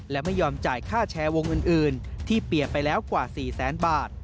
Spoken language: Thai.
และไม่ยอมจ่ายค่าแชร์วงอื่นที่เปลี่ยนไปแล้วกว่า๔แสนบาท